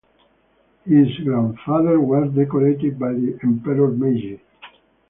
His grandfather was decorated by the Emperor Meiji.